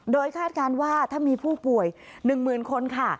โดยคาดการณ์ว่าถ้ามีผู้ป่วย๑๐๐๐คนค่ะ